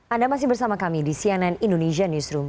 anda masih bersama kami di cnn indonesia newsroom